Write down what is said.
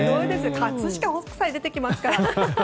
葛飾北斎出てきますから。